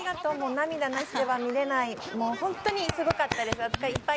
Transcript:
涙なしでは見れない、もう本当にすごかったです。